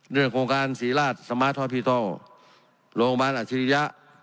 เรื่องโครงการศรีราชสมาธพิทัลโรงพยาบาลอัชฌิริยะ